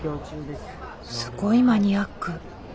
すごいマニアック。